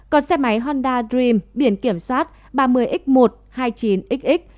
còn xe máy honda dream biển kiểm soát ba mươi x một hai mươi chín xxx